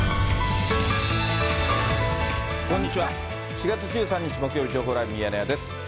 ４月１３日木曜日、情報ライブミヤネ屋です。